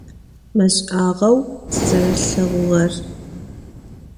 Beş'ağeu tızerelheğuğep.